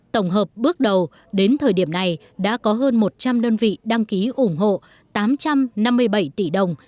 tổng hợp bước đầu đến thời điểm này đã có hơn một trăm linh đơn vị đăng ký ủng hộ tám trăm năm mươi bảy tỷ đồng